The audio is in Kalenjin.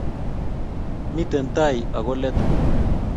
miten tai ago leet